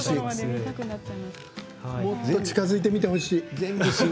もっと近づいてみてほしい。